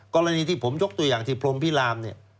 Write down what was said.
กรณีที่ผมยกตัวอย่างที่พรมพิรามเนี่ย